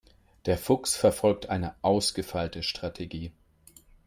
Der Fuchs verfolgt eine ausgefeilte Strategie.